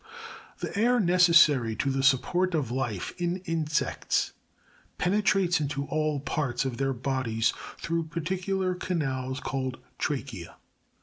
37. The air necessary to the support of life in insects, pene trates into all parts of their bodies through particular canals called trachea?.